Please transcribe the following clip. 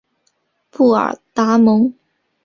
布尔达蒙。